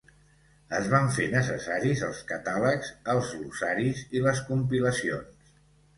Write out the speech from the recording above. Es van fer necessaris els catàlegs, els glossaris i les compilacions.